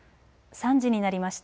３時になりました。